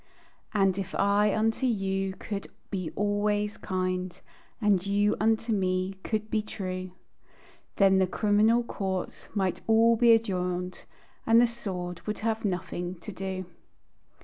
And if I unto you could be always kind, And you unto me could be true, Then the criminal courts might all be adjourned, And the sword would have nothing to do.